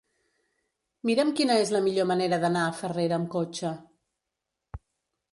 Mira'm quina és la millor manera d'anar a Farrera amb cotxe.